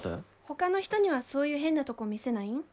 ほかの人にはそういう変なとこ見せないん？